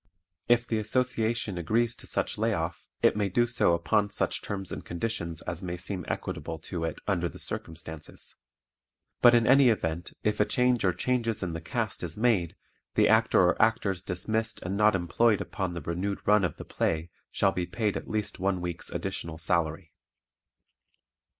If the Association agrees to such lay off it may do so upon such terms and conditions as may seem equitable to it under the circumstances. But in any event if a change or changes in the cast is made the Actor or Actors dismissed and not employed upon the renewed run of the play shall be paid at least one week's additional salary.